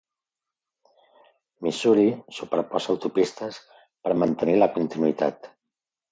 Missouri superposa autopistes per mantenir la continuïtat.